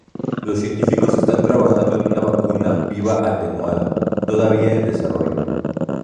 Los científicos están trabajando en una vacuna viva atenuada, todavía en desarrollo.